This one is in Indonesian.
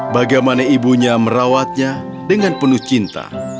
bagaimana ibunya merawatnya dengan penuh cinta